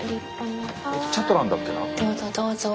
どうぞどうぞ。